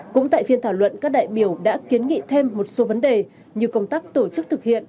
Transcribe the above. cũng tại phiên thảo luận các đại biểu đã kiến nghị thêm một số vấn đề như công tác tổ chức thực hiện